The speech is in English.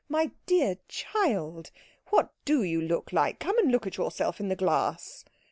My dear child, what do you look like? Come and look at yourself in the glass."